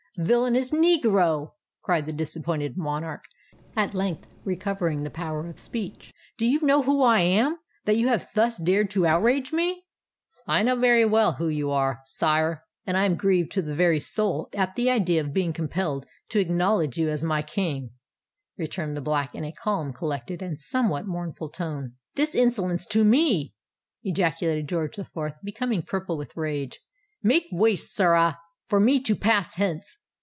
"Villainous negro!" cried the disappointed monarch, at length recovering the power of speech: "do you know who I am, that you have thus dared to outrage me?" "I know full well who you are, sire—and I am grieved to the very soul at the idea of being compelled to acknowledge you as my King," returned the Black, in a calm—collected—and somewhat mournful tone. "This insolence to me!" ejaculated George the Fourth, becoming purple with rage. "Make way, sirrah, for me to pass hence!"